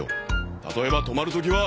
例えば止まる時は。